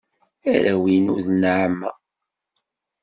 Arraw-inu d nneɛma.